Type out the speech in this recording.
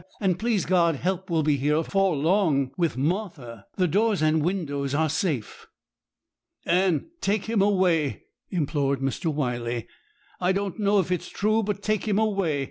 And, please God, help will be here afore long with Martha. The doors and windows are safe.' 'Anne, take him away!' implored Mr. Wyley. 'I don't know if it is true, but take him away.